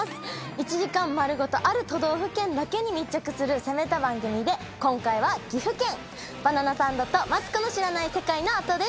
１時間丸ごとある都道府県だけに密着する攻めた番組で今回は岐阜県「バナナサンド」と「マツコの知らない世界」のあとです